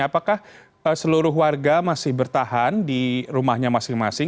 apakah seluruh warga masih bertahan di rumahnya masing masing